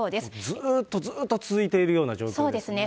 ずっと、ずっと続いているような状況ですね。